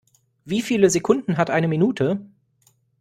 Wie viele Sekunden hat eine Minute?